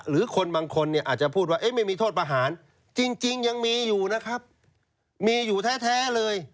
หรือคนบางคนเนี่ยอาจจะพูดว่าไม่มีโทษประหารจริงยังมีอยู่นะครับมีอยู่แท้เลย